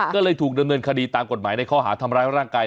ก็เลยถูกดำเนินคดีตามกฎหมายในข้อหาทำร้ายร่างกาย